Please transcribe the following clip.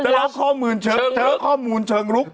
แต่ละข้อมูลเชิงรุก